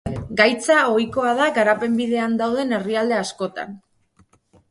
Gaitza ohikoa da garapen bidean dauden herrialde askotan.